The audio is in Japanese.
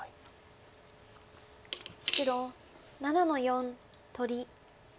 白７の四取り。